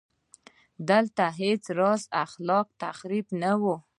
دلته هېڅ راز خلاق تخریب نه و